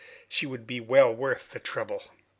She would be well worth the trouble!"